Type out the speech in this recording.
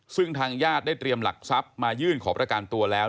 ซึ่งทางญาติได้เตรียมหลักทรัพย์มายื่นขอประกันตัวแล้ว